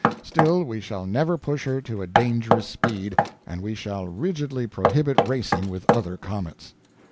Still, we shall never push her to a dangerous speed, and we shall rigidly prohibit racing with other comets.